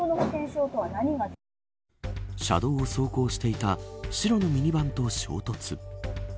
車道を走行していた白のミニバンと衝突。